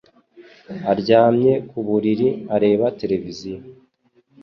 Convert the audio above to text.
aryamye ku buriri, areba televiziyo.